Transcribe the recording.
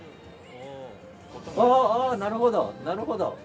ああああなるほどなるほど！